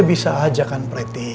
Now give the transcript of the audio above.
ya bisa aja kan preti